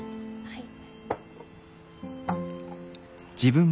はい。